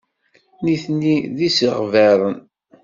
Nitni d isegbaren.